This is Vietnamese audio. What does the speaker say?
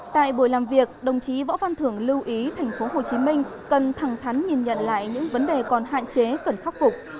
tại buổi làm việc đồng chí võ văn thưởng lưu ý tp hcm cần thẳng thắn nhìn nhận lại những vấn đề còn hạn chế cần khắc phục